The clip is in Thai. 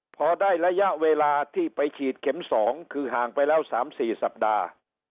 พอได้ระยะเวลาที่ไปฉีดเข็ม๒คือห่างไปแล้ว๓๔สัปดาห์